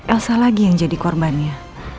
elsa lagi yang jadi korbannya